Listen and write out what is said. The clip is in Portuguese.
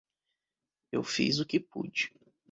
Eu fiz o que pude.